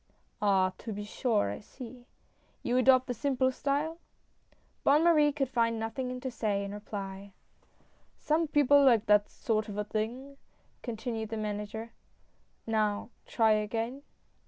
"Ah! to be sure, I see. You adopt the simple style?" Bonne Marie could find nothing to say in reply. 96 SIGNING THE CONTRACT. " Some people like that sort of a thing !" continued the Manager. " Now, try again